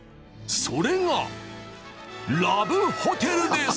「それがラブホテルです！」